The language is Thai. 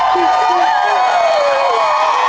ครอบครับ